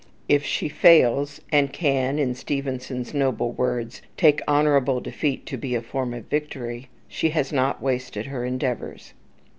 If she fails, and can, in Stevenson's noble words, "take honourable defeat to be a form of victory," she has not wasted her endeavours.